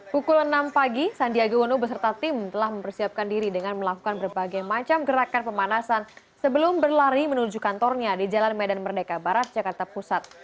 pukul enam pagi sandiaga uno beserta tim telah mempersiapkan diri dengan melakukan berbagai macam gerakan pemanasan sebelum berlari menuju kantornya di jalan medan merdeka barat jakarta pusat